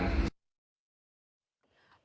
ต่อกรองของปราบใจ